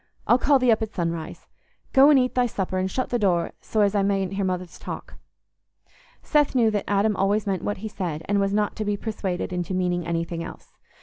I'll call thee up at sunrise. Go and eat thy supper, and shut the door so as I mayn't hear Mother's talk." Seth knew that Adam always meant what he said, and was not to be persuaded into meaning anything else.